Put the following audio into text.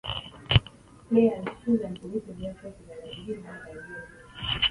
Players choose and position their forces at the beginning of the game.